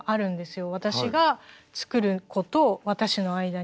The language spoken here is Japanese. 私が作る子と私の間に。